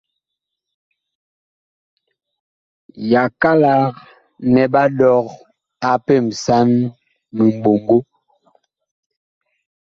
Yakalak nɛ ɓa lɔg a pemsan miɓɔŋgo.